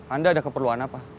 anda ada keperluan apa